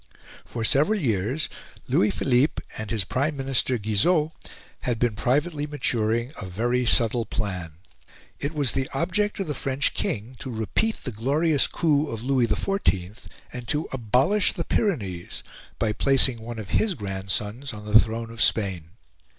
For several years, Louis Philippe and his Prime Minister Guizot had been privately maturing a very subtle plan. It was the object of the French King to repeat the glorious coup of Louis XIV, and to abolish the Pyrenees by placing one of his grandsons on the throne of Spain.